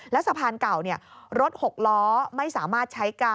แล้วสะพานเก่ารถ๖ล้อไม่สามารถใช้การ